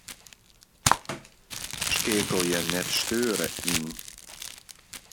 Skeakelje 'net steure' yn.